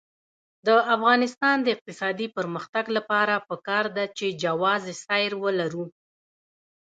د افغانستان د اقتصادي پرمختګ لپاره پکار ده چې جواز سیر ولرو.